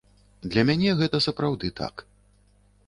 Для мяне гэта сапраўды так.